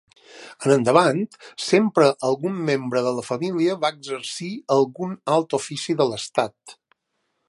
En endavant sempre algun membre de la família va exercir algun alt ofici de l'estat.